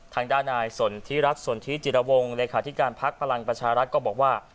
ทางด้านนายสนทิรัฐสนทิจิรวงเลขาธิการพักพลังประชารัฐก็บอกว่า